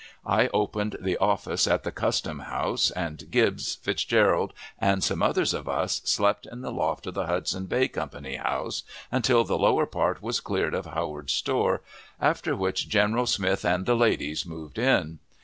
I opened the office at the custom house, and Gibbs, Fitzgerald, and some others of us, slept in the loft of the Hudson Bay Company house until the lower part was cleared of Howard's store, after which General Smith and the ladies moved in.